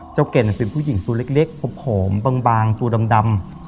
เจ้าแก่นเป็นผู้หญิงสูตรเล็กผอมบางสูตรดำ